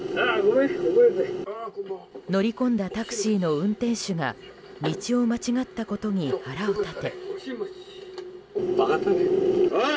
乗り込んだタクシーの運転手が道を間違ったことに腹を立て。